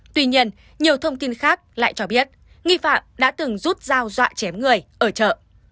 tuy nhiên nhiều thông tin khác lại cho biết nghi phạm đã từng rút dao dọa chém người ở chợ